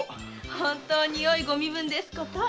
本当によいご身分ですこと！